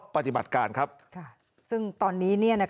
เผื่อ